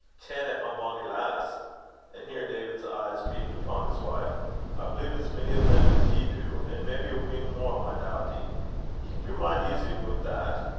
"Janet, my bonnie lass " and here David's eyes beamed upon his wife "I believe as mony o' them as ye do, an' maybe a wheen mair, my dawtie. Keep yer min' easy aboot that.